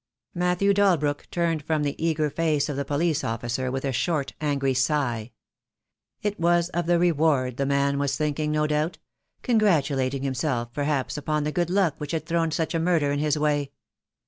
MatthewT Dalbrook turned from the eager face of the police officer with a short, angry sigh. It was of the reward the man was thinking, no doubt — congratulating 9 6 THE DAY WILL COME. himself perhaps upon the good luck which had thrown such a murder in his way.